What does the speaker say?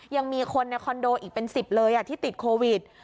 ยังมีคนในคอนโดอีกเป็น๑๐เลยที่ติดโควิด